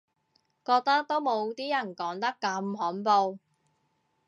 覺得都冇啲人講得咁恐怖